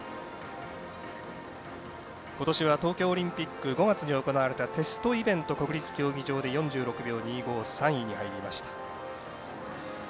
今年は東京オリンピック５月に行われたテストイベント国立競技場で４６秒２５３位に入りました。